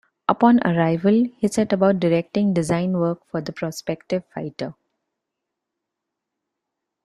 Upon arrival, he set about directing design work for the prospective fighter.